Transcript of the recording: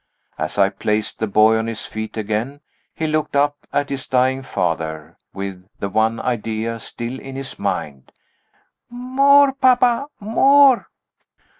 As I placed the boy on his feet again, he looked up at his dying father, with the one idea still in his mind. "More, papa! More!"